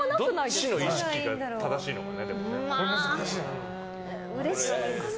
どっちの意識が正しいんだろうね。